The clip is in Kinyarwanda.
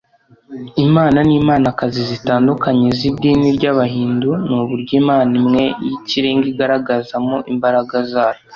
imana n’imanakazi zitandukanye z’idini ry’abahindu ni uburyo imana imwe y’ikirenga igaragazamo imbaraga zayo